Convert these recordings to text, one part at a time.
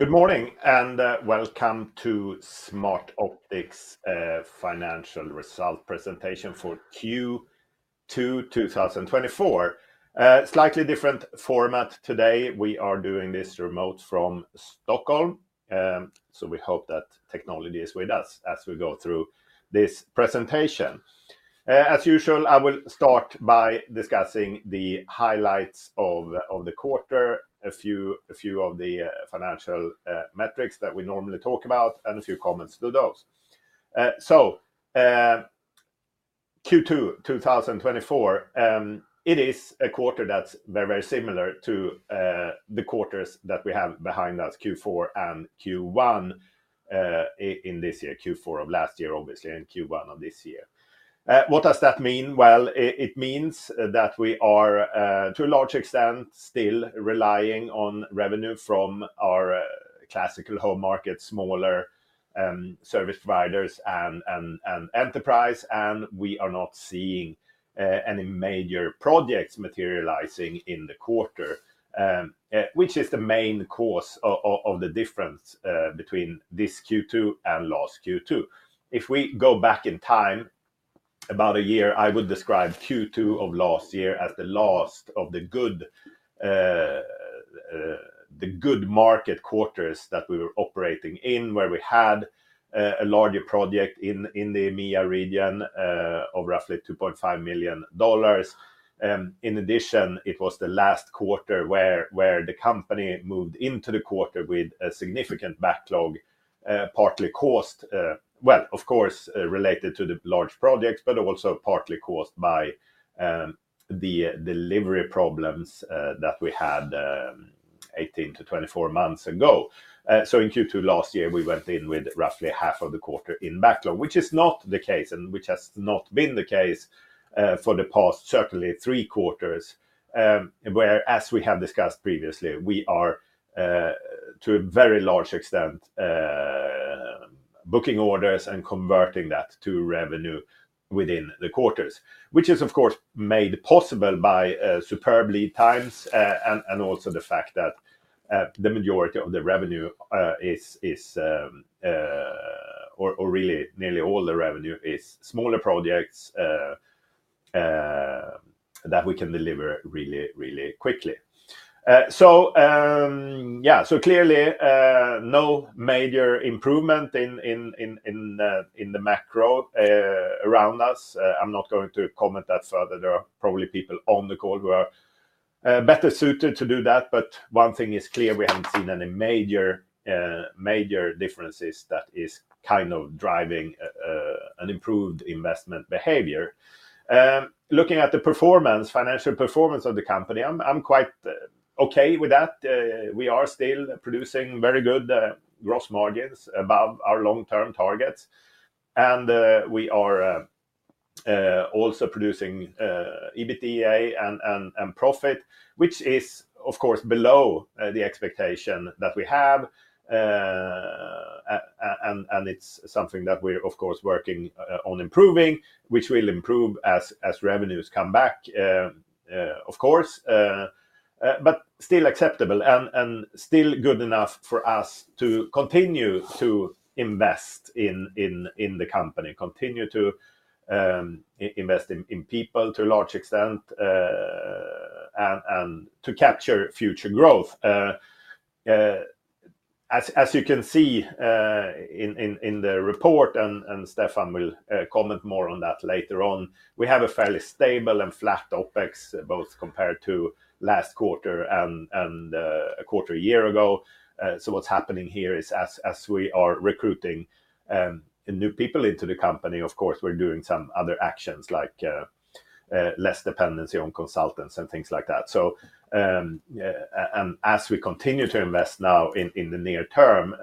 Good morning, and welcome to Smartoptics' financial result presentation for Q2 2024. Slightly different format today. We are doing this remote from Stockholm, so we hope that technology is with us as we go through this presentation. As usual, I will start by discussing the highlights of the quarter, a few of the financial metrics that we normally talk about, and a few comments to those. So, Q2 2024, it is a quarter that's very, very similar to the quarters that we have behind us, Q4 and Q1 in this year, Q4 of last year, obviously, and Q1 of this year. What does that mean? Well, it means that we are, to a large extent, still relying on revenue from our classical home market, smaller, service providers and enterprise, and we are not seeing, any major projects materializing in the quarter, which is the main cause of the difference, between this Q2 and last Q2. If we go back in time, about a year, I would describe Q2 of last year as the last of the good, the good market quarters that we were operating in, where we had, a larger project in, the EMEA region, of roughly $2.5 million. In addition, it was the last quarter where the company moved into the quarter with a significant backlog, partly caused, well, of course, related to the large projects, but also partly caused by the delivery problems that we had 18-24 months ago. So in Q2 last year, we went in with roughly half of the quarter in backlog, which is not the case and which has not been the case for the past, certainly three quarters. Where, as we have discussed previously, we are to a very large extent booking orders and converting that to revenue within the quarters. Which is, of course, made possible by superb lead times, and also the fact that the majority of the revenue is, or really nearly all the revenue is smaller projects that we can deliver really, really quickly. So, yeah, so clearly no major improvement in the macro around us. I'm not going to comment that further. There are probably people on the call who are better suited to do that, but one thing is clear, we haven't seen any major major differences that is kind of driving an improved investment behavior. Looking at the performance, financial performance of the company, I'm quite okay with that. We are still producing very good gross margins above our long-term targets, and we are also producing EBITDA and profit, which is, of course, below the expectation that we have. It's something that we're, of course, working on improving, which will improve as revenues come back, of course. But still acceptable, and still good enough for us to continue to invest in the company, continue to invest in people to a large extent, and to capture future growth. As you can see in the report, and Stefan will comment more on that later on, we have a fairly stable and flat OpEx, both compared to last quarter and a quarter a year ago. So what's happening here is as we are recruiting new people into the company, of course, we're doing some other actions like less dependency on consultants and things like that. So yeah, and as we continue to invest now in the near term,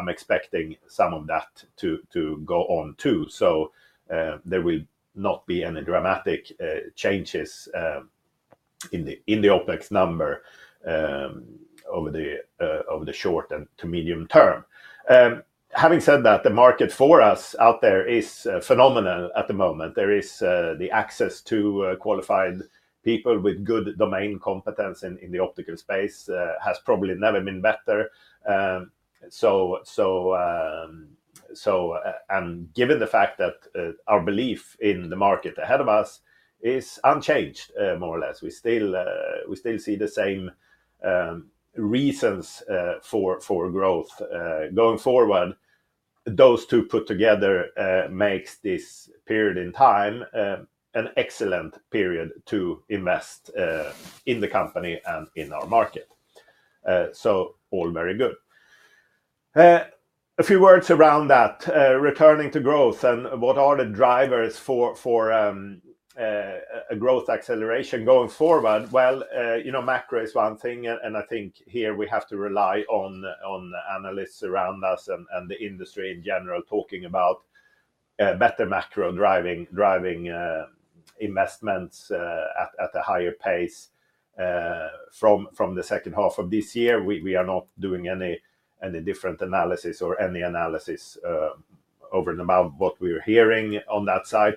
I'm expecting some of that to go on, too. So there will not be any dramatic changes in the OpEx number over the short to medium term. Having said that, the market for us out there is phenomenal at the moment. There is the access to qualified people with good domain competence in the optical space has probably never been better. So, and given the fact that our belief in the market ahead of us is unchanged, more or less, we still see the same reasons for growth. Going forward, those two put together makes this period in time an excellent period to invest in the company and in our market. So all very good. A few words around that, returning to growth and what are the drivers for a growth acceleration going forward? Well, you know, macro is one thing, and I think here we have to rely on the analysts around us and the industry in general, talking about better macro driving investments at a higher pace from the second half of this year. We are not doing any different analysis or any analysis over and above what we're hearing on that side.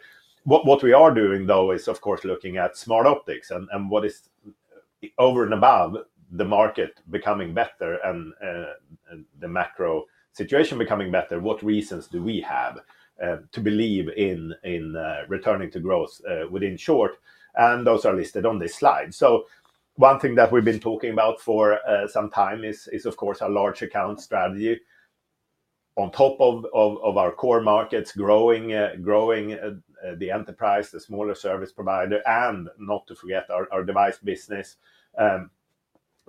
What we are doing, though, is, of course, looking at Smartoptics and what is over and above the market becoming better and the macro situation becoming better, what reasons do we have to believe in returning to growth within short? And those are listed on this slide. So one thing that we've been talking about for some time is, of course, our large account strategy. On top of our core markets growing, the enterprise, the smaller service provider, and not to forget our device business,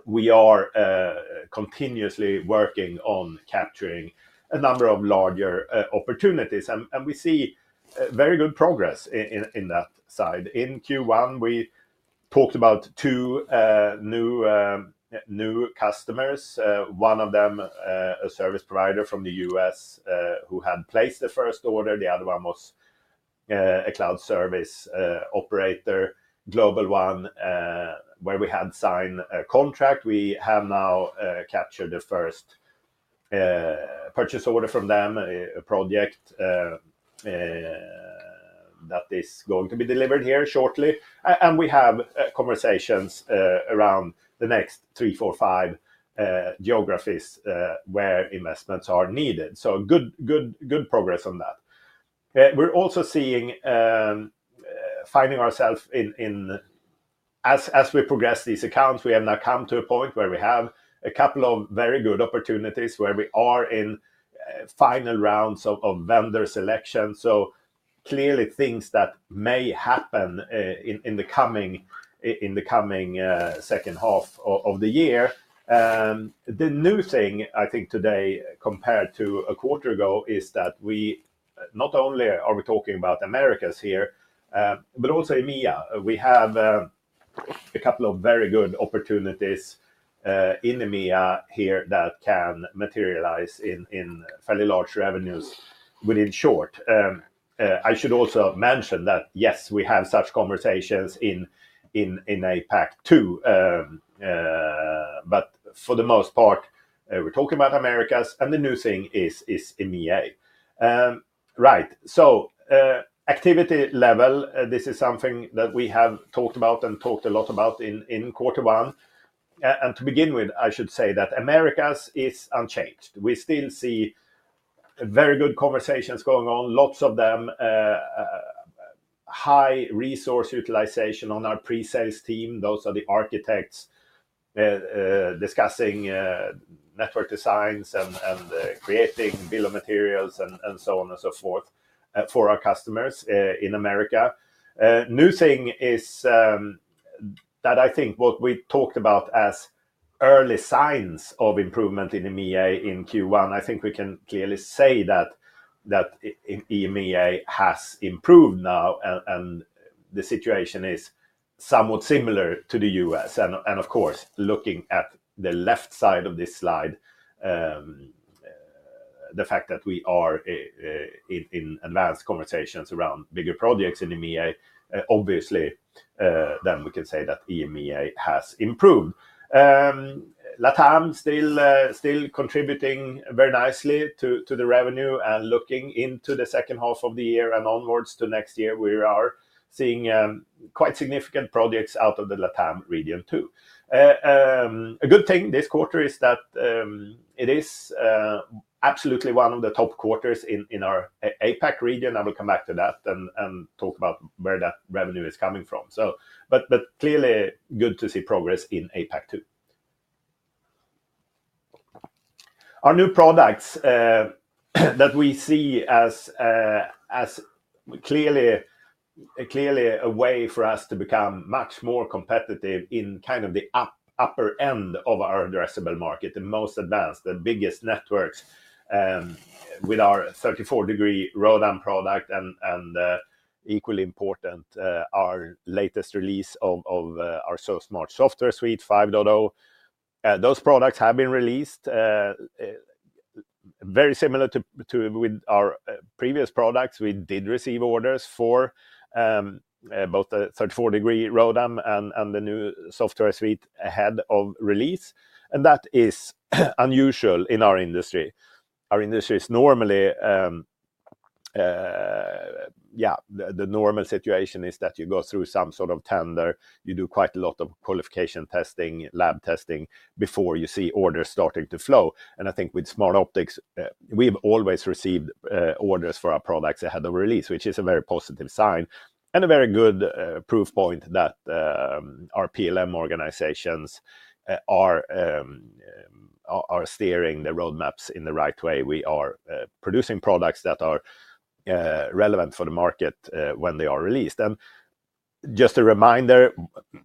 we are continuously working on capturing a number of larger opportunities. We see very good progress in that side. In Q1, we talked about two new customers. One of them, a service provider from the U.S., who had placed the first order. The other one was a cloud service operator, global one, where we had signed a contract. We have now captured the first purchase order from them, a project that is going to be delivered here shortly. And we have conversations around the next three, four, five geographies where investments are needed, so good, good, good progress on that. We're also seeing finding ourself in... As we progress these accounts, we have now come to a point where we have a couple of very good opportunities, where we are in final rounds of vendor selection, so clearly things that may happen in the coming second half of the year. The new thing I think today, compared to a quarter ago, is that we not only are we talking about Americas here, but also EMEA. We have a couple of very good opportunities in EMEA here that can materialize in fairly large revenues within short. I should also mention that, yes, we have such conversations in APAC too. But for the most part, we're talking about Americas, and the new thing is EMEA. Right, so, activity level, this is something that we have talked about and talked a lot about in quarter one. And to begin with, I should say that Americas is unchanged. We still see very good conversations going on, lots of them. High resource utilization on our pre-sales team. Those are the architects, discussing, network designs and, creating bill of materials and so on and so forth, for our customers, in America. New thing is, that I think what we talked about as early signs of improvement in EMEA in Q1, I think we can clearly say that, that EMEA has improved now, and the situation is somewhat similar to the U.S. Of course, looking at the left side of this slide, the fact that we are in advanced conversations around bigger projects in EMEA, obviously, then we can say that EMEA has improved. LatAm still contributing very nicely to the revenue. And looking into the second half of the year and onwards to next year, we are seeing quite significant projects out of the LATAM region, too. A good thing this quarter is that it is absolutely one of the top quarters in our APAC region. I will come back to that and talk about where that revenue is coming from. But clearly, good to see progress in APAC, too. Our new products, that we see as, as clearly, clearly a way for us to become much more competitive in kind of the upper end of our addressable market, the most advanced, the biggest networks, with our 34-degree ROADM product, and equally important, our latest release of our SoSmart Software Suite 5.0. Those products have been released. Very similar to with our previous products, we did receive orders for both the 34-degree ROADM and the new software suite ahead of release, and that is unusual in our industry. Our industry is normally. The normal situation is that you go through some sort of tender. You do quite a lot of qualification testing, lab testing before you see orders starting to flow. And I think with Smartoptics, we've always received orders for our products ahead of release, which is a very positive sign and a very good proof point that our PLM organizations are steering the roadmaps in the right way. We are producing products that are relevant for the market when they are released. And just a reminder,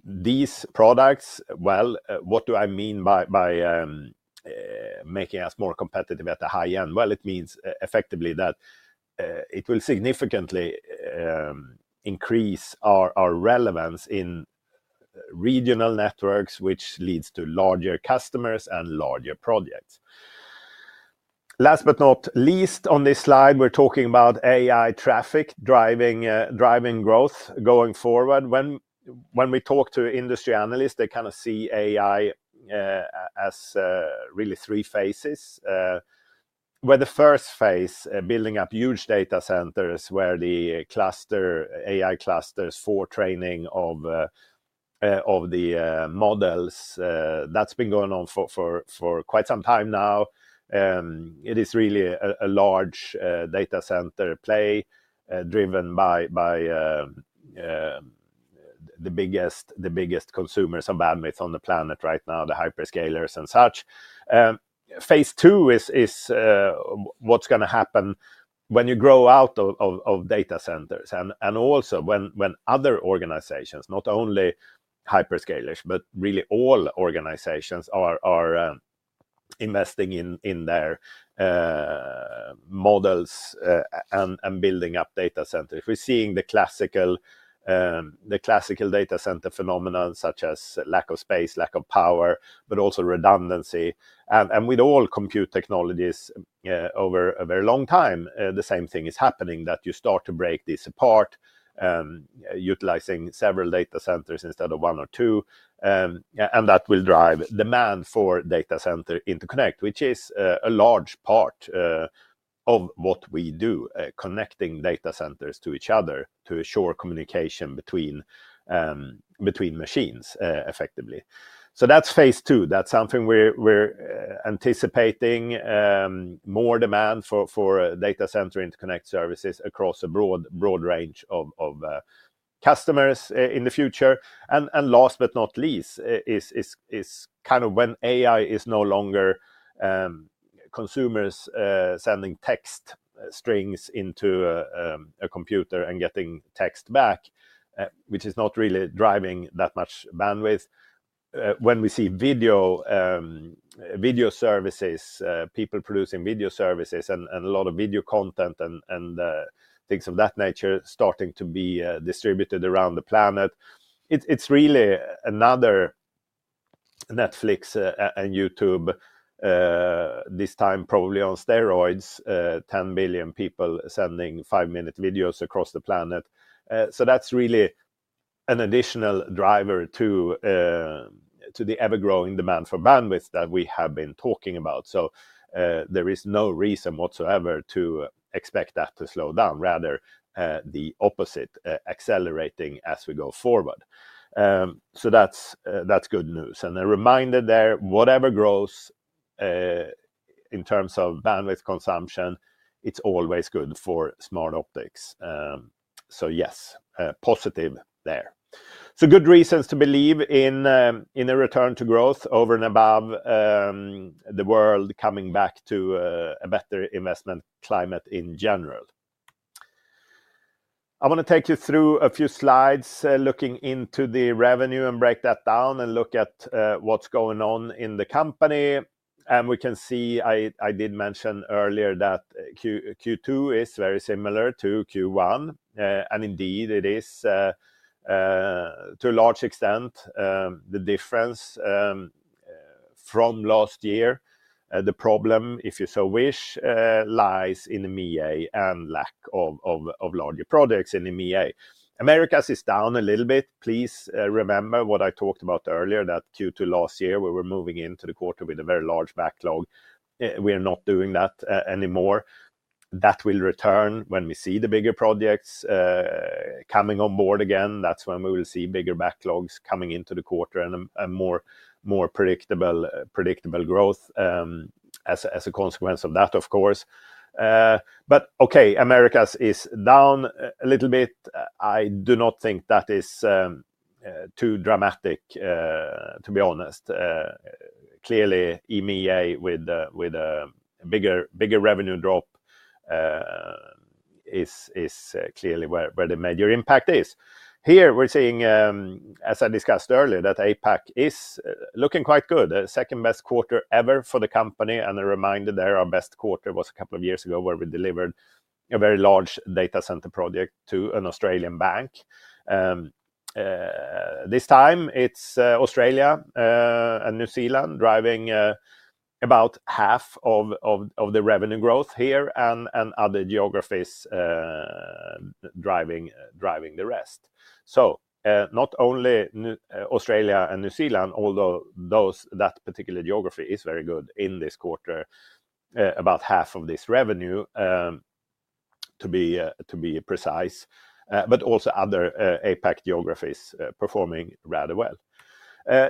these products, well, what do I mean by making us more competitive at the high end? Well, it means effectively that it will significantly increase our relevance in regional networks, which leads to larger customers and larger projects. Last but not least, on this slide, we're talking about AI traffic driving growth going forward. When we talk to industry analysts, they kind of see AI as really three phases. Where the first phase, building up huge data centers, where the cluster AI clusters for training of the models, that's been going on for quite some time now. It is really a large data center play, driven by the biggest consumers of bandwidth on the planet right now, the hyperscalers and such. Phase II is what's gonna happen when you grow out of data centers, and also when other organizations, not only hyperscalers, but really all organizations are investing in their models and building up data center. If we're seeing the classical, the classical data center phenomenon, such as lack of space, lack of power, but also redundancy, and with all compute technologies, over a very long time, the same thing is happening, that you start to break this apart, utilizing several data centers instead of one or two. Yeah, and that will drive demand for data center interconnect, which is a large part of what we do, connecting data centers to each other to ensure communication between between machines effectively. So that's phase II. That's something we're anticipating more demand for data center interconnect services across a broad range of customers in the future. Last but not least, it is kind of when AI is no longer consumers sending text strings into a computer and getting text back, which is not really driving that much bandwidth. When we see video services, people producing video services and a lot of video content and things of that nature starting to be distributed around the planet, it's really another Netflix and YouTube, this time probably on steroids. 10 billion people sending five-minute videos across the planet. So that's really an additional driver to the ever-growing demand for bandwidth that we have been talking about. There is no reason whatsoever to expect that to slow down, rather the opposite, accelerating as we go forward. So that's good news. And a reminder there, whatever grows in terms of bandwidth consumption, it's always good for Smartoptics. So yes, positive there. So good reasons to believe in a return to growth over and above the world coming back to a better investment climate in general. I wanna take you through a few slides looking into the revenue and break that down and look at what's going on in the company. And we can see, I did mention earlier that Q2 is very similar to Q1. And indeed it is to a large extent the difference from last year. The problem, if you so wish, lies in the EMEA and lack of larger projects in the EMEA. Americas is down a little bit. Please, remember what I talked about earlier, that Q2 last year, we were moving into the quarter with a very large backlog. We are not doing that anymore. That will return when we see the bigger projects coming on board again. That's when we will see bigger backlogs coming into the quarter and more predictable growth as a consequence of that, of course. But okay, Americas is down a little bit. I do not think that is too dramatic to be honest. Clearly, EMEA with a bigger revenue drop is clearly where the major impact is. Here we're seeing, as I discussed earlier, that APAC is looking quite good. Second-best quarter ever for the company, and a reminder there, our best quarter was a couple of years ago, where we delivered a very large data center project to an Australian bank. This time it's Australia and New Zealand driving about half of the revenue growth here and other geographies driving the rest. So, not only Australia and New Zealand, although that particular geography is very good in this quarter, about half of this revenue, to be precise, but also other APAC geographies performing rather well.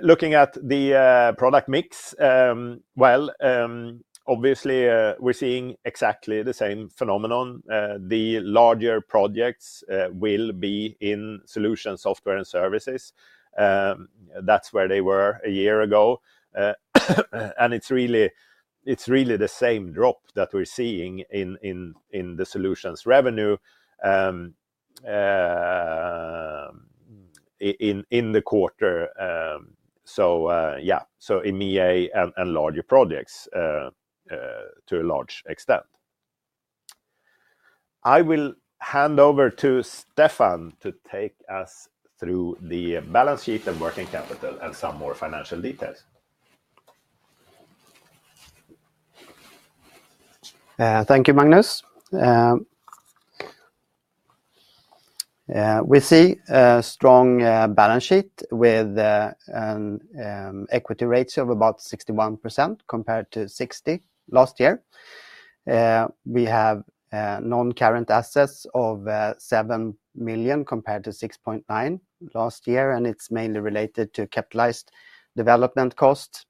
Looking at the product mix, well, obviously, we're seeing exactly the same phenomenon. The larger projects will be in solution, software, and services. That's where they were a year ago. And it's really, it's really the same drop that we're seeing in the solutions revenue in the quarter. So, so EMEA and larger projects to a large extent. I will hand over to Stefan to take us through the balance sheet and working capital and some more financial details. Thank you, Magnus. We see a strong balance sheet with equity rates of about 61%, compared to 60% last year. We have non-current assets of $7 million, compared to $6.9 million last year, and it's mainly related to capitalized development costs,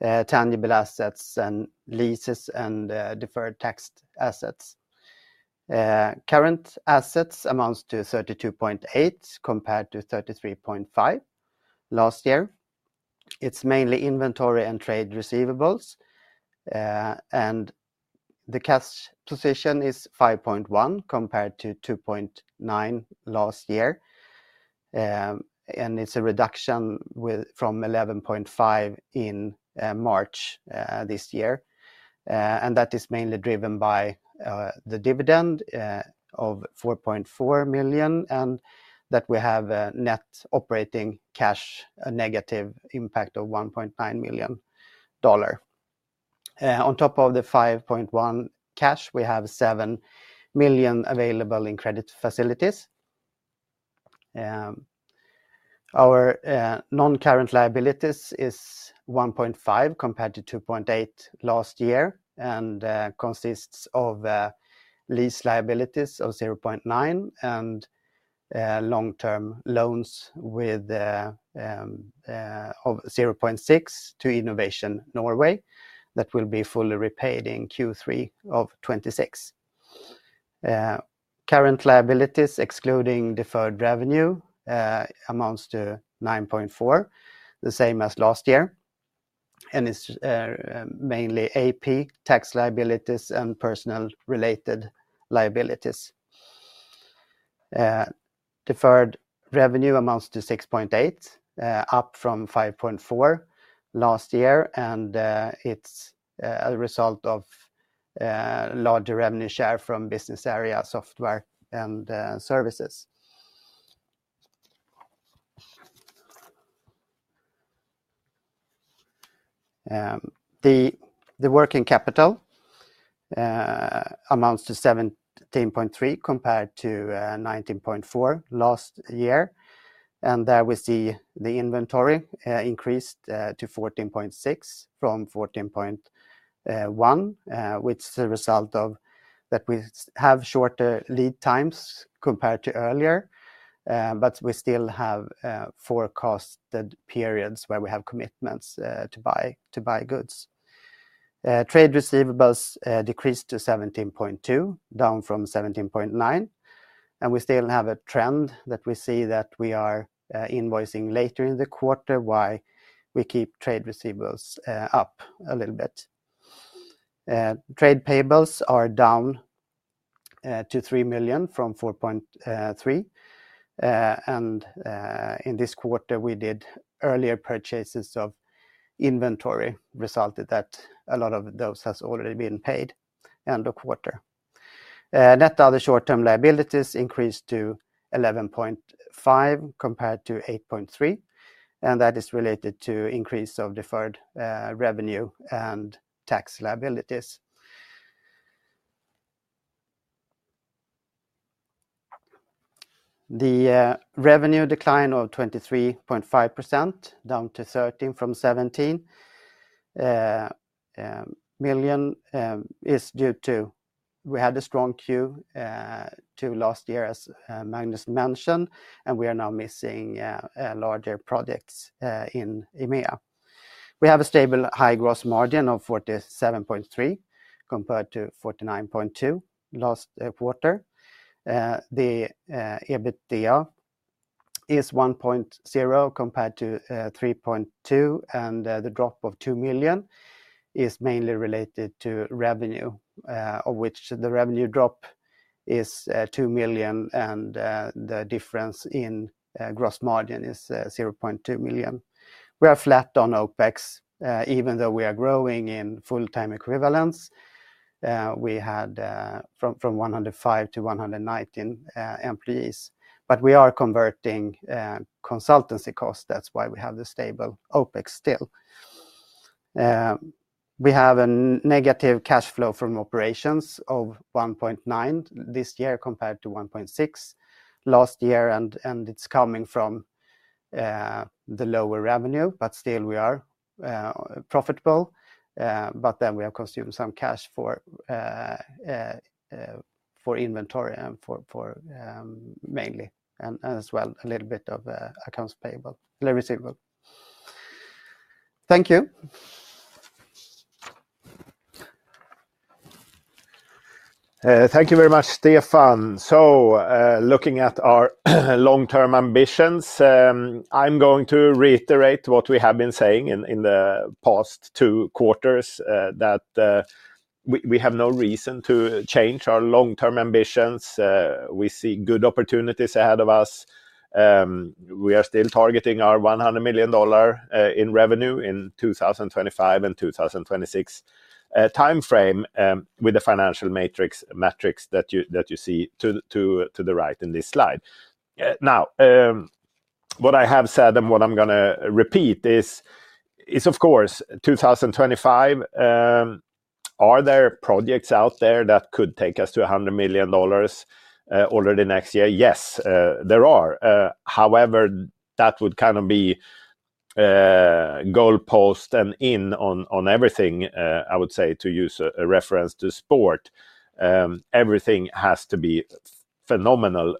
tangible assets, and leases, and deferred tax assets. Current assets amounts to $32.8 million, compared to $33.5 million last year. It's mainly inventory and trade receivables. And the cash position is $5.1 million, compared to $2.9 million last year. And it's a reduction from $11.5 million in March this year. And that is mainly driven by the dividend of $4.4 million, and that we have a net operating cash, a negative impact of $1.9 million. On top of the 5.1 cash, we have 7 million available in credit facilities. Our non-current liabilities is 1.5, compared to 2.8 last year, and consists of lease liabilities of 0.9 and long-term loans of 0.6 to Innovation Norway. That will be fully repaid in Q3 of 2026. Current liabilities, excluding deferred revenue, amounts to 9.4, the same as last year, and it's mainly AP, tax liabilities, and personal-related liabilities. Deferred revenue amounts to 6.8, up from 5.4 last year, and it's a result of larger revenue share from business area, software, and services. The working capital amounts to 17.3, compared to 19.4 last year. There we see the inventory increased to 14.6 from 14.1, which is a result of that we have shorter lead times compared to earlier. But we still have forecasted periods where we have commitments to buy goods. Trade receivables decreased to 17.2, down from 17.9, and we still have a trend that we see that we are invoicing later in the quarter, why we keep trade receivables up a little bit. Trade payables are down to 3 million from 4.3. And in this quarter, we did earlier purchases of inventory, resulted that a lot of those has already been paid end of quarter. Net other short-term liabilities increased to 11.5 million, compared to 8.3 million, and that is related to increase of deferred revenue and tax liabilities. The revenue decline of 23.5%, down to NOK 13 million from 17 million, is due to we had a strong Q2 last year, as Magnus mentioned, and we are now missing larger projects in EMEA. We have a stable high gross margin of 47.3%, compared to 49.2% last quarter. The EBITDA is 1.0 million, compared to 3.2 million, and the drop of 2 million is mainly related to revenue, of which the revenue drop is 2 million, and the difference in gross margin is 0.2 million. We are flat on OpEx, even though we are growing in full-time equivalents. We had, from 105 to 119 employees, but we are converting consultancy costs. That's why we have the stable OpEx still. We have a negative cash flow from operations of $1.9 million this year, compared to $1.6 million last year, and it's coming from the lower revenue, but still we are profitable. We have consumed some cash for inventory and for, mainly, and as well, a little bit of accounts receivable. Thank you. Thank you very much, Stefan. So, looking at our long-term ambitions, I'm going to reiterate what we have been saying in the past two quarters, that we have no reason to change our long-term ambitions. We see good opportunities ahead of us. We are still targeting our $100 million in revenue in 2025 and 2026 timeframe, with the financial metrics that you see to the right in this slide. Now, what I have said, and what I'm gonna repeat is, of course, 2025, are there projects out there that could take us to $100 million already next year? Yes, there are. However, that would kind of be goalpost moving in on everything, I would say, to use a reference to sport. Everything has to be phenomenal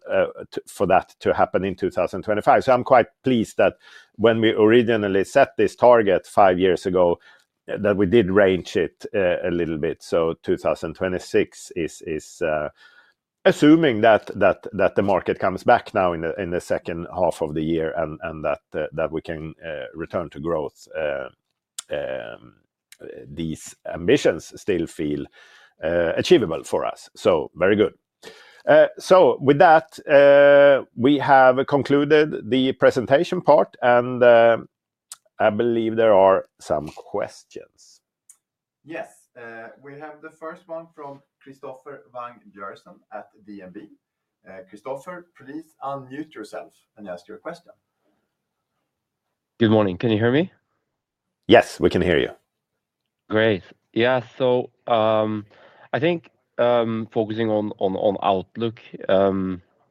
to—for that to happen in 2025. So I'm quite pleased that when we originally set this target five years ago, that we did range it a little bit. So 2026 is, assuming that the market comes back now in the second half of the year, and that we can return to growth, these ambitions still feel achievable for us. So very good. So with that, we have concluded the presentation part, and I believe there are some questions. Yes. We have the first one from Christoffer Wang Bjørnsen at DNB. Kristoffer, please unmute yourself and ask your question. Good morning. Can you hear me? Yes, we can hear you. Great. Yeah, so, I think, focusing on outlook,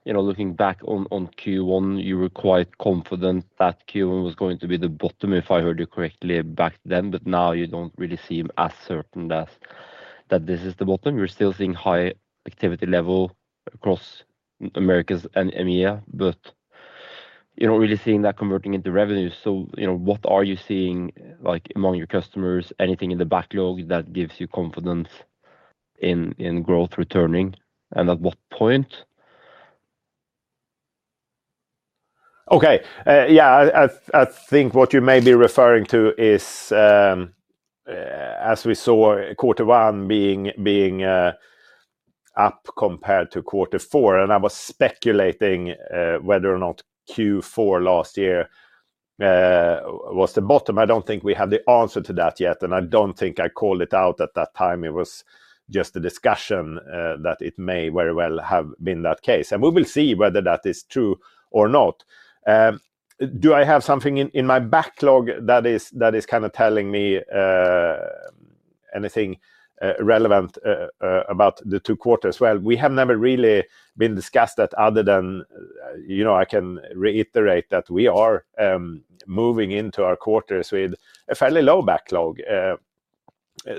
you know, looking back on Q1, you were quite confident that Q1 was going to be the bottom, if I heard you correctly back then, but now you don't really seem as certain as that this is the bottom. You're still seeing high activity level across Americas and EMEA, but you're not really seeing that converting into revenue. So, you know, what are you seeing, like, among your customers? Anything in the backlog that gives you confidence in growth returning, and at what point? Okay, yeah, I think what you may be referring to is, as we saw quarter one being up compared to quarter four, and I was speculating whether or not Q4 last year was the bottom. I don't think we have the answer to that yet, and I don't think I called it out at that time. It was just a discussion that it may very well have been that case, and we will see whether that is true or not. Do I have something in my backlog that is kind of telling me anything relevant about the two quarters? Well, we have never really been discussed that other than, you know, I can reiterate that we are moving into our quarters with a fairly low backlog.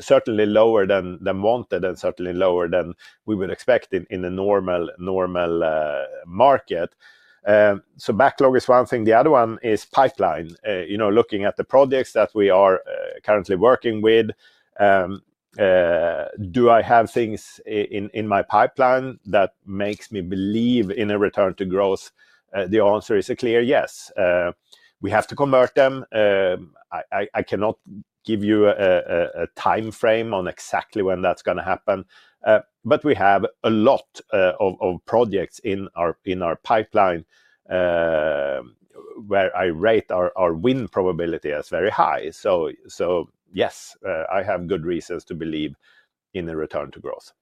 Certainly lower than wanted, and certainly lower than we would expect in a normal market. So backlog is one thing. The other one is pipeline. You know, looking at the projects that we are currently working with, do I have things in my pipeline that makes me believe in a return to growth? The answer is a clear yes. We have to convert them. I cannot give you a timeframe on exactly when that's gonna happen. But we have a lot of projects in our pipeline, where I rate our win probability as very high. So yes, I have good reasons to believe in the return to growth.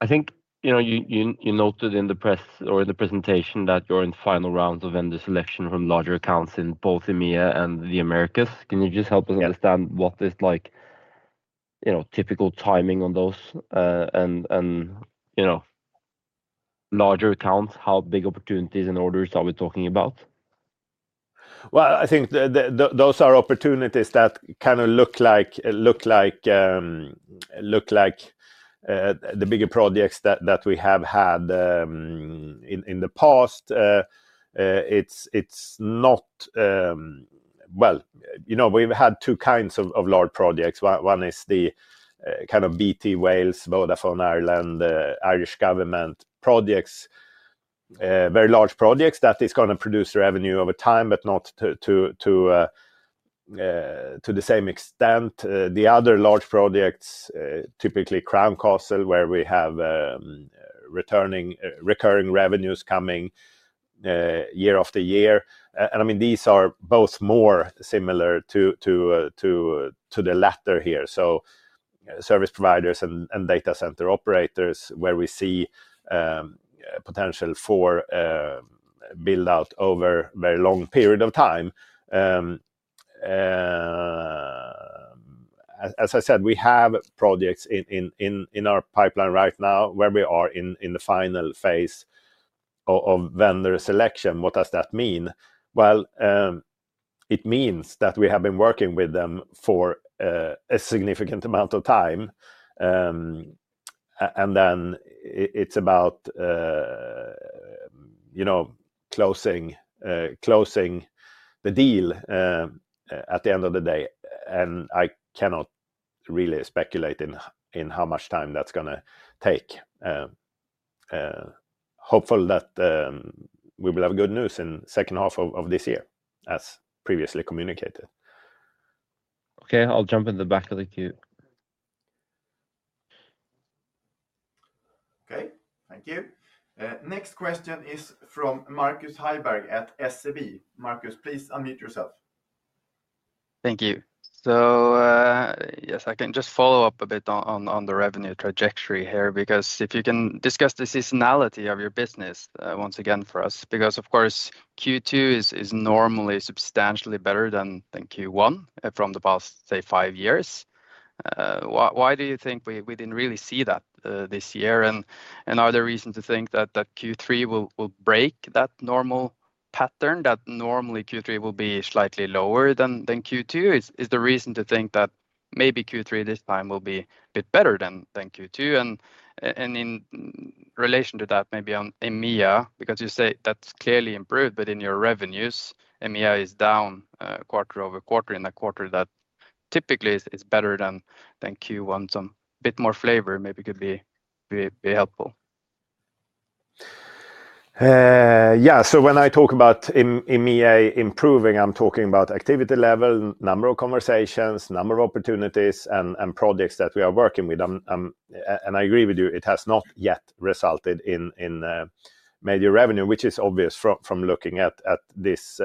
I think, you know, you noted in the press or in the presentation that you're in final rounds of vendor selection from larger accounts in both EMEA and the Americas. Can you just help us Yeah understand what is like, you know, typical timing on those? And, you know, larger accounts, how big opportunities and orders are we talking about? Well, I think those are opportunities that kind of look like the bigger projects that we have had in the past. It's not... Well, you know, we've had two kinds of large projects. One is the kind of BT Wales, Vodafone Ireland, Irish government projects. Very large projects that is gonna produce revenue over time, but not to the same extent. The other large projects, typically Crown Castle, where we have returning, recurring revenues coming year after year. And I mean, these are both more similar to the latter here. So service providers and data center operators, where we see potential for build out over a very long period of time. As I said, we have projects in our pipeline right now, where we are in the final phase of vendor selection. What does that mean? Well, it means that we have been working with them for a significant amount of time. And then it's about, you know, closing the deal at the end of the day. And I cannot really speculate in how much time that's gonna take. Hopeful that we will have good news in second half of this year, as previously communicated. Okay, I'll jump in the back of the queue. Okay, thank you. Next question is from Markus Heiberg at SEB. Markus, please unmute yourself. Thank you. So, yes, I can just follow up a bit on the revenue trajectory here, because if you can discuss the seasonality of your business, once again for us, because, of course, Q2 is normally substantially better than Q1, from the past, say, five years. Why do you think we didn't really see that this year? And, are there reasons to think that Q3 will break that normal pattern, that normally Q3 will be slightly lower than Q2? Is the reason to think that maybe Q3 this time will be a bit better than Q2? And in relation to that, maybe on EMEA, because you say that's clearly improved, but in your revenues, EMEA is down quarter-over-quarter in a quarter that typically is better than Q1. Some bit more flavor maybe could be helpful. Yeah. So when I talk about EMEA improving, I'm talking about activity level, number of conversations, number of opportunities, and projects that we are working with. And I agree with you, it has not yet resulted in major revenue, which is obvious from looking at this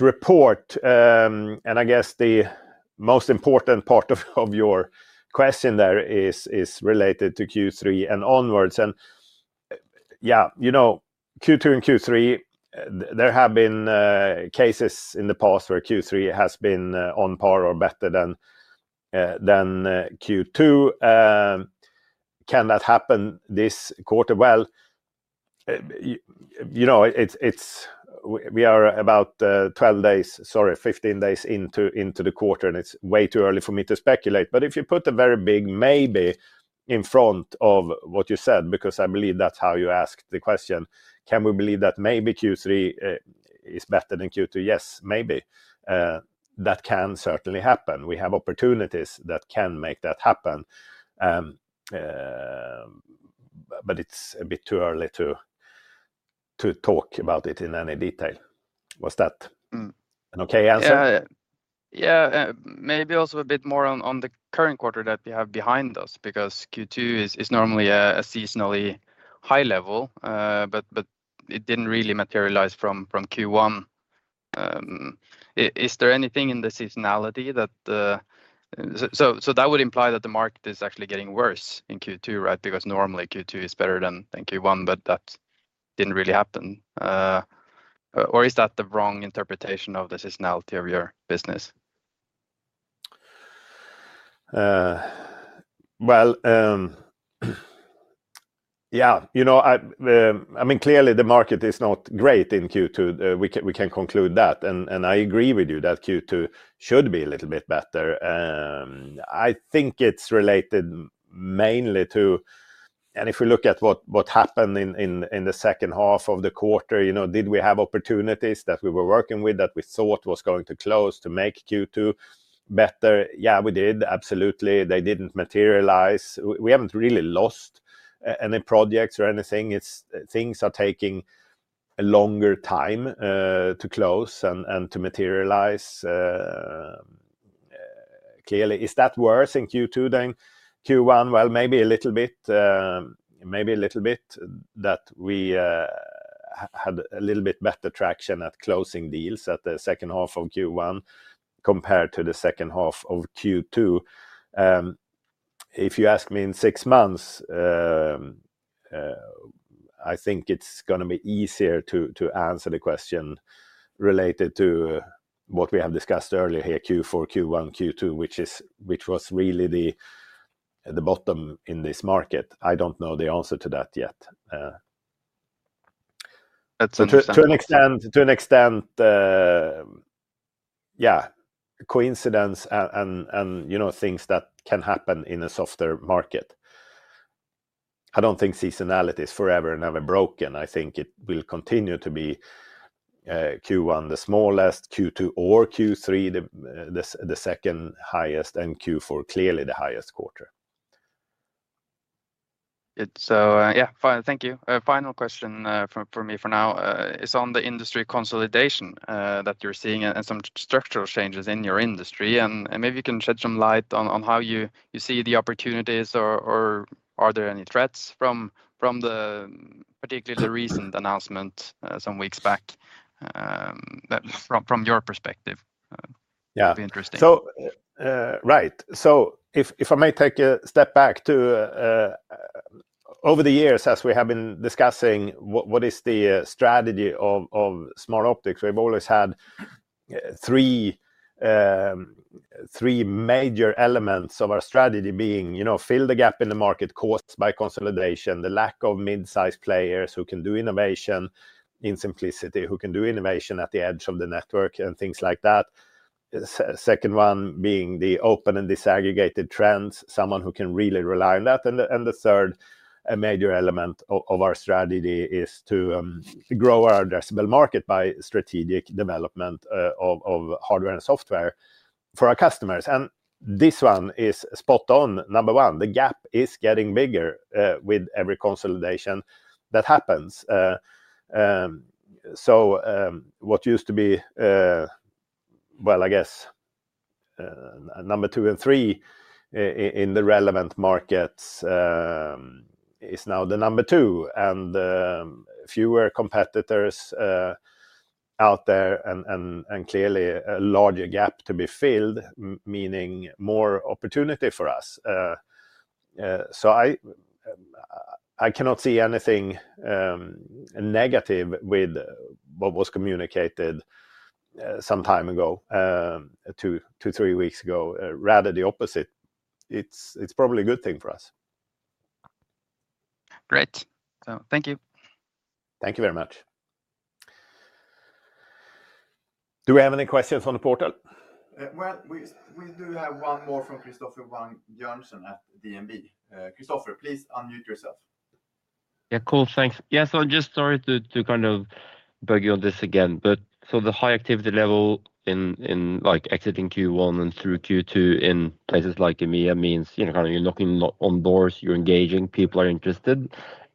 report. And I guess the most important part of your question there is related to Q3 and onwards. Yeah, you know, Q2 and Q3, there have been cases in the past where Q3 has been on par or better than Q2. Can that happen this quarter? Well, you know, it's—we are about 12 days, sorry, 15 days into the quarter, and it's way too early for me to speculate. But if you put a very big maybe in front of what you said, because I believe that's how you asked the question, can we believe that maybe Q3 is better than Q2? Yes, maybe. That can certainly happen. We have opportunities that can make that happen. But it's a bit too early to talk about it in any detail. Was that an okay answer? Yeah. Yeah, maybe also a bit more on, on the current quarter that we have behind us, because Q2 is, is normally a, a seasonally high level, but, but it didn't really materialize from, from Q1. Is there anything in the seasonality that... So, so, so that would imply that the market is actually getting worse in Q2, right? Because normally Q2 is better than, than Q1, but that didn't really happen. Or is that the wrong interpretation of the seasonality of your business? Well, yeah. You know, I mean, clearly the market is not great in Q2. We can, we can conclude that, and I agree with you that Q2 should be a little bit better. I think it's related mainly to... And if we look at what happened in the second half of the quarter, you know, did we have opportunities that we were working with, that we thought was going to close to make Q2 better? Yeah, we did, absolutely. They didn't materialize. We haven't really lost any projects or anything. Things are taking a longer time to close and to materialize, clearly. Is that worse in Q2 than Q1? Well, maybe a little bit, maybe a little bit, that we had a little bit better traction at closing deals at the second half of Q1 compared to the second half of Q2. If you ask me in six months, I think it's gonna be easier to answer the question related to what we have discussed earlier here, Q4, Q1, Q2, which was really the bottom in this market. I don't know the answer to that yet. That's under- To an extent, to an extent, yeah, coincidence and, and, you know, things that can happen in a softer market. I don't think seasonality is forever and ever broken. I think it will continue to be, Q1 the smallest, Q2 or Q3, the, the second highest, and Q4, clearly the highest quarter. It's yeah, fine. Thank you. Final question for me for now is on the industry consolidation that you're seeing and some structural changes in your industry. And maybe you can shed some light on how you see the opportunities or are there any threats from the, particularly the recent announcement some weeks back, that... From your perspective? Yeah. It'd be interesting. So, right. So if I may take a step back to over the years, as we have been discussing what is the strategy of Smartoptics, we've always had three major elements of our strategy being: you know, fill the gap in the market caused by consolidation, the lack of mid-sized players who can do innovation in simplicity, who can do innovation at the edge of the network, and things like that. Second one being the open and disaggregated trends, someone who can really rely on that. And the third, a major element of our strategy is to grow our addressable market by strategic development of hardware and software for our customers. And this one is spot on. Number one, the gap is getting bigger with every consolidation that happens. So, what used to be, well, I guess, number two and three in the relevant markets is now the number two, and fewer competitors out there and clearly a larger gap to be filled, meaning more opportunity for us. So I cannot see anything negative with what was communicated some time ago, two-three weeks ago. Rather the opposite. It's probably a good thing for us. Great. So thank you. Thank you very much. Do we have any questions on the portal? Well, we do have one more from Christoffer Wang Bjørnsen at DNB. Kristoffer, please unmute yourself. Yeah, cool. Thanks. Yeah, so just sorry to kind of bug you on this again, but so the high activity level in, like, exiting Q1 and through Q2 in places like EMEA means, you know, kind of you're knocking on doors, you're engaging, people are interested,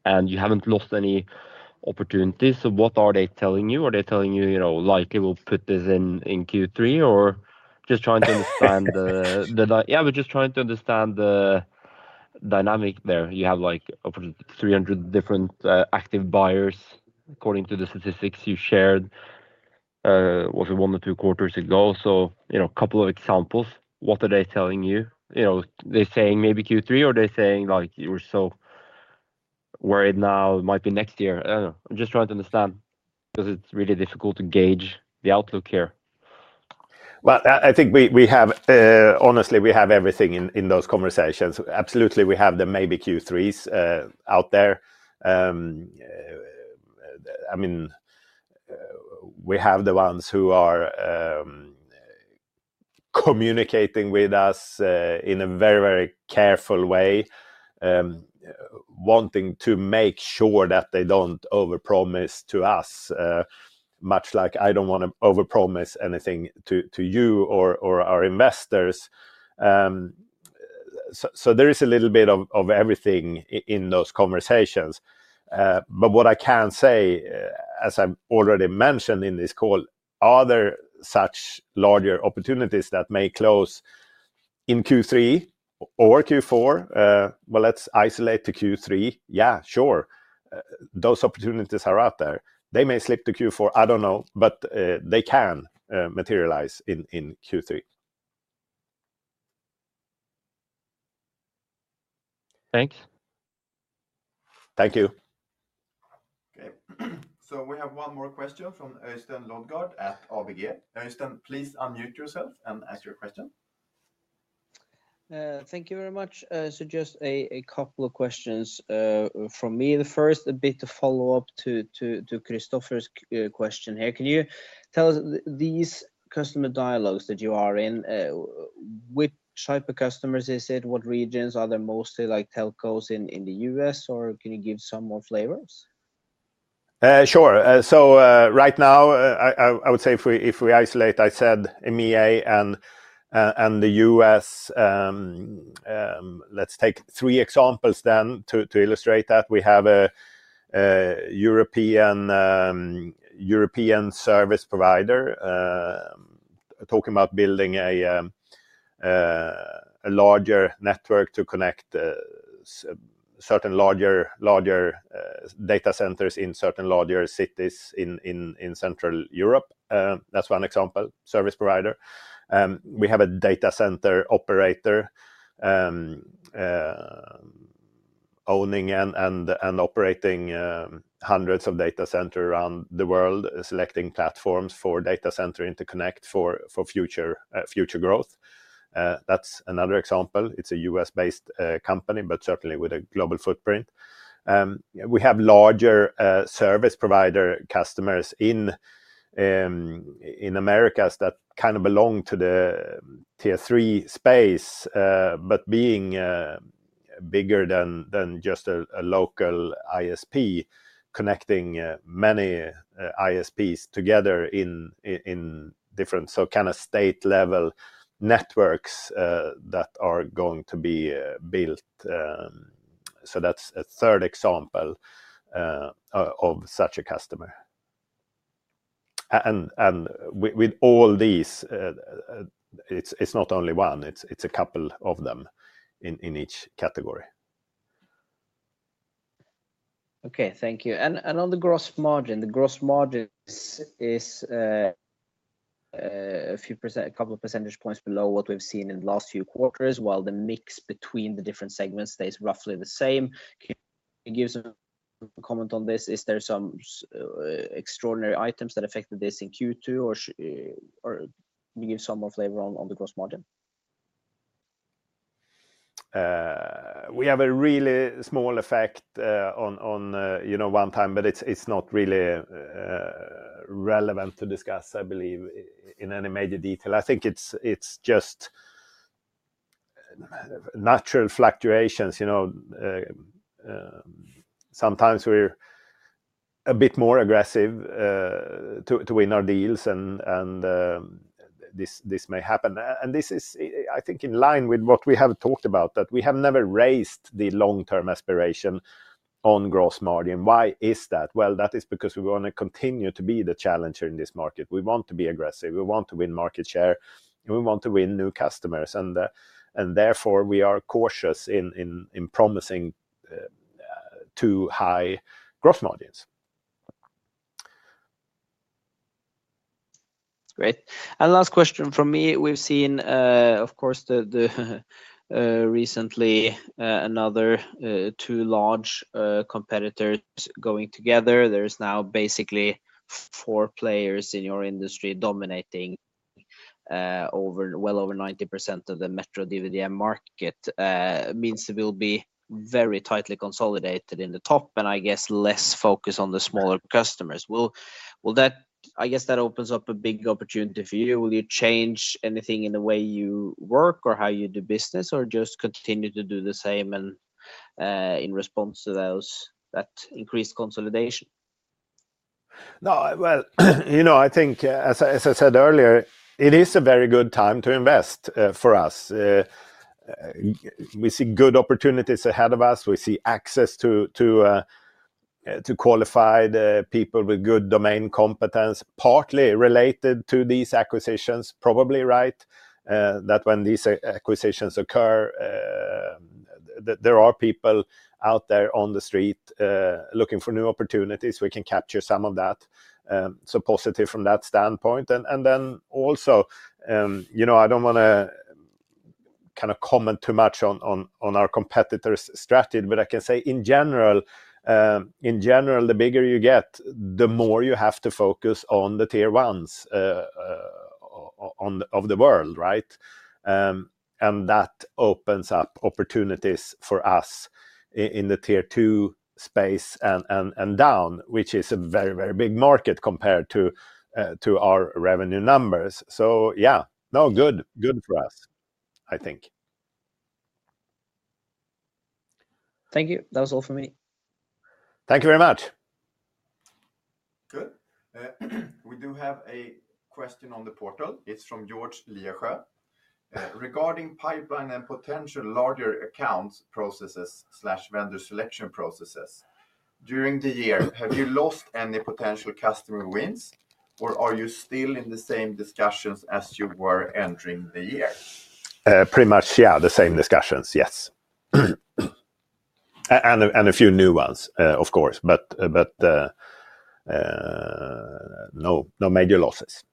and you haven't lost any opportunities. So what are they telling you? Are they telling you, you know, "Likely, we'll put this in Q3," or just trying to understand the dynamic there. Yeah, we're just trying to understand the dynamic there. You have, like, over 300 different active buyers, according to the statistics you shared, was it one or two quarters ago? So, you know, couple of examples, what are they telling you? You know, they saying maybe Q3, or are they saying, like, "We're so worried now, it might be next year?" I don't know. I'm just trying to understand, because it's really difficult to gauge the outlook here. Well, I think we have everything in those conversations. Honestly, we have everything in those conversations. Absolutely, we have the maybe Q3s out there. I mean, we have the ones who are communicating with us in a very, very careful way, wanting to make sure that they don't overpromise to us, much like I don't wanna overpromise anything to you or our investors. So there is a little bit of everything in those conversations. But what I can say, as I've already mentioned in this call, are there such larger opportunities that may close in Q3 or Q4? Well, let's isolate to Q3. Yeah, sure. Those opportunities are out there. They may slip to Q4, I don't know, but they can materialize in Q3. Thanks. Thank you. Okay. So we have one more question from Øystein Lodgaard at ABG. Øystein, please unmute yourself and ask your question. Thank you very much. So just a couple of questions from me. The first, a bit to follow up to Christoffer's question here. Can you tell us these customer dialogues that you are in, which type of customers is it? What regions are they mostly, like telcos in the U.S., or can you give some more flavors? Sure. So, right now, I would say if we isolate, I said EMEA and the U.S. Let's take three examples then to illustrate that. We have a European service provider talking about building a larger network to connect certain larger data centers in certain larger cities in Central Europe. That's one example, service provider. We have a data center operator owning and operating hundreds of data centers around the world, selecting platforms for data center interconnect for future growth. That's another example. It's a U.S.-based company, but certainly with a global footprint. We have larger service provider customers in Americas that kind of belong to the Tier 3 space, but being bigger than just a local ISP, connecting many ISPs together in different... So kind of state-level networks that are going to be built. So that's a third example of such a customer. And with all these, it's not only one, it's a couple of them in each category. Okay, thank you. And on the gross margin, the gross margin is a couple of percentage points below what we've seen in the last few quarters, while the mix between the different segments stays roughly the same. Can you give us a comment on this? Is there some extraordinary items that affected this in Q2, or can you give some more flavor on the gross margin? We have a really small effect, on, on, you know, one time, but it's, it's not really, relevant to discuss, I believe, in any major detail. I think it's, it's just natural fluctuations, you know. Sometimes we're a bit more aggressive, to, to win our deals, and, and, this, this may happen. And this is, I think, in line with what we have talked about, that we have never raised the long-term aspiration on gross margin. Why is that? Well, that is because we wanna continue to be the challenger in this market. We want to be aggressive, we want to win market share, and we want to win new customers. And, and therefore, we are cautious in, in, in promising too high growth margins. Great. And last question from me. We've seen, of course, the recently, another two large competitors going together. There's now basically four players in your industry dominating, well over 90% of the metro DWDM market. Means it will be very tightly consolidated in the top, and I guess less focus on the smaller customers. Will that—I guess that opens up a big opportunity for you. Will you change anything in the way you work or how you do business, or just continue to do the same and, in response to those, that increased consolidation? No, well, you know, I think, as I said earlier, it is a very good time to invest for us. We see good opportunities ahead of us. We see access to qualified people with good domain competence, partly related to these acquisitions. Probably right that when these acquisitions occur, there are people out there on the street looking for new opportunities. We can capture some of that. So positive from that standpoint. And then also, you know, I don't wanna kind of comment too much on our competitors' strategy, but I can say in general, in general, the bigger you get, the more you have to focus on the tier ones of the world, right? And that opens up opportunities for us in the tier two space and down, which is a very, very big market compared to our revenue numbers. So yeah, no, good, good for us, I think. Thank you. That was all for me. Thank you very much. Good. We do have a question on the portal. It's from George Liesho. "Regarding pipeline and potential larger accounts processes/vendor selection processes, during the year, have you lost any potential customer wins, or are you still in the same discussions as you were entering the year? Pretty much, yeah, the same discussions, yes. And a few new ones, of course, but no major losses.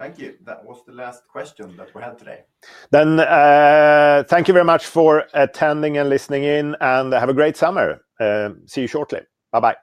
Thank you. That was the last question that we had today. Then, thank you very much for attending and listening in, and have a great summer. See you shortly. Bye-bye.